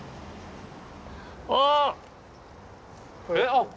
あっ！